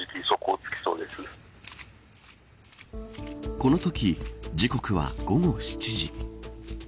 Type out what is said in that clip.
このとき時刻は午後７時。